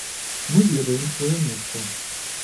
Мы ведаем сваё месца.